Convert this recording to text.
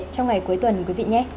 trong ngày cuối tuần